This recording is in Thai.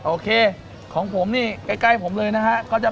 โอเคของผมนี่ใกล้ผมเลยนะฮะ